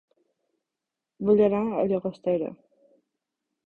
Vull anar a Llagostera